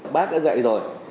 bác đã dạy rồi